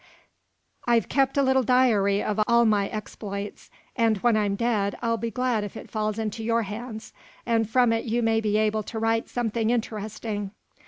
I've kept a little diary of all my exploits, and when I'm dead I'll be glad if it falls into your hands, and from it you may be able to write something interesting.